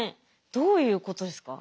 どういうことですか？